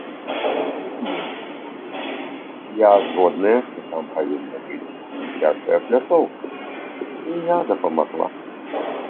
Гэта мой узровень, я згодная, што там павінна быць дзіцячая пляцоўка, і я дапамагла.